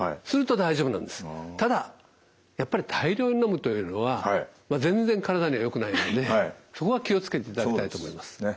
ただやっぱり大量に飲むというのは全然体にはよくないのでそこは気を付けていただきたいと思いますね。